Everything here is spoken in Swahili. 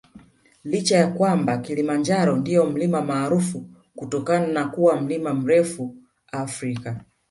Licha ya kwamba Kilimanjaro ndio mlima maarufu kutokana na kuwa mlima mrefu Afrika